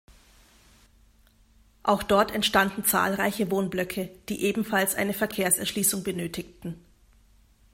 Auch dort entstanden zahlreiche Wohnblöcke, die ebenfalls eine Verkehrserschließung benötigten.